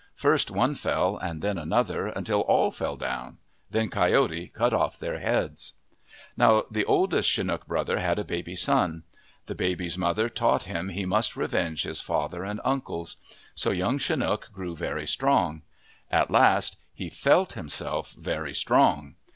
First one fell and then another, until all fell down. Then Coyote cut off their heads. Now the oldest Chinook brother had a baby son. The baby's mother taught him he must revenge his father and uncles. So Young Chinook grew very strong. At last he felt himself very strong.